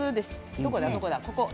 どこだどこだ